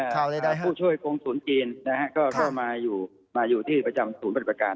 ตอนนี้ผู้ช่วยกรงศูนย์จีนมาอยู่ที่ประจำศูนย์ปฏิบัติการ